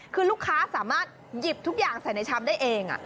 คือลูกค้าสามารถหยิบทุกอย่างใส่ในชามได้เอง